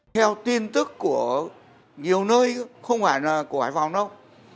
theo tin tức của nhiều nơi không phải là của hải phòng đâu